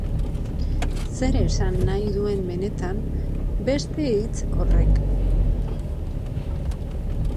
Zer esan nahi duen benetan beste hitz horrek.